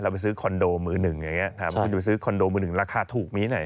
เราไปซื้อคอนโดมือหนึ่งอย่างเงี้ยใช่ครับเราไปซื้อคอนโดมือหนึ่งราคาถูกมีไหน